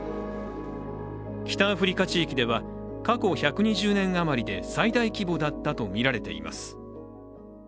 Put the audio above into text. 北アフリカ地域では過去１２０年余りで最大規模だったとみられています。